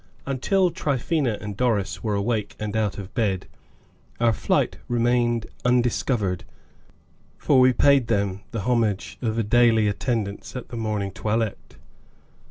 Until Tryphaena and Doris were awake and out of bed, our flight remained undiscovered, for we paid them the homage of a daily attendance at the morning toilette.